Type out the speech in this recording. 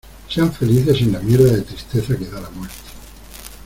sean felices sin la mierda de tristeza que da la muerte.